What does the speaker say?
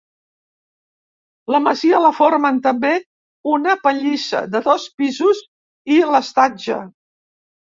La masia la formen també una pallissa, de dos pisos, i l'estatge.